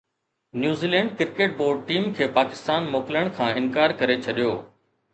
New Zealand cricket board team کي پاڪستان موڪلڻ کان انڪار ڪري ڇڏيو